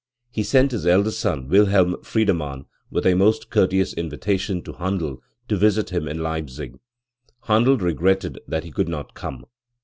He sent his eldest son Wilhehn Friedemann with a most courteous invitation to Handel to visit him in Leipzig. Handel regretted that he could not come.